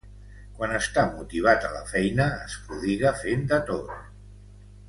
Quan està motivat a la feina, es prodiga fent de tot.